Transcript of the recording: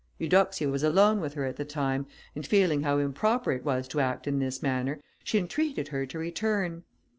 Eudoxia was alone with her at the time, and feeling how improper it was to act in this manner, she entreated her to return.